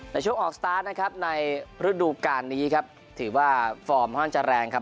ในช่วงออกสตาร์ทนะครับในฤดูการนี้ครับถือว่าฟอร์มค่อนข้างจะแรงครับ